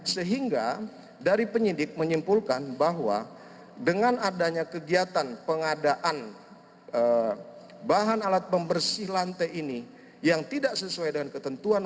sehingga dari penyidik menyimpulkan bahwa dengan adanya kegiatan pengadaan bahan alat pembersih lantai ini yang tidak sesuai dengan ketentuan